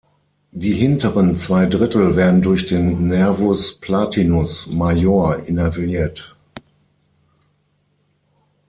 Die hinteren zwei Drittel werden durch den Nervus palatinus major innerviert.